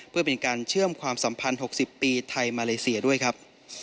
เพื่อเป็นการเชื่อมความสัมพันธ์๖๐ปีไทยมาเลเซียด้วยครับ